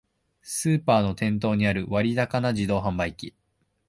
スーパーの店頭にある割高な自動販売機